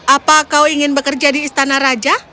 apa kau ingin bekerja di istana raja